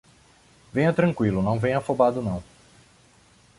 Venha tranquilo, não venha afobado não